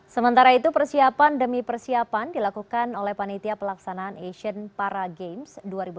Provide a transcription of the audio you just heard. sementara itu persiapan demi persiapan dilakukan oleh panitia pelaksanaan asian para games dua ribu delapan belas